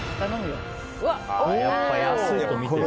やっぱ安いとみてる。